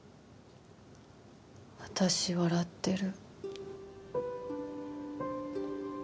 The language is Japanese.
私、笑ってる。